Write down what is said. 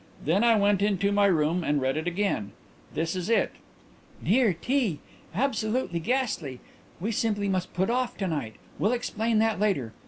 Then I went into my room and read it again. This is it: "'DEAR T., Absolutely ghastly. We simply must put off to night. Will explain that later.